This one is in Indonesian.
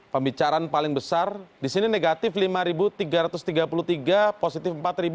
pembicaraan paling besar di sini negatif lima tiga ratus tiga puluh tiga positif empat